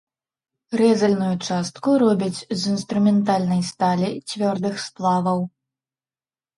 Рэзальную частку робяць з інструментальнай сталі, цвёрдых сплаваў.